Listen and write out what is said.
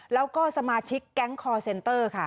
แล้วก็สมาชิกแก๊งคอร์เซนเตอร์ค่ะ